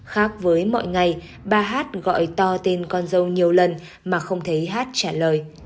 khác với mọi ngày bà hát gọi to tên con dâu nhiều lần mà không thấy hát trả lời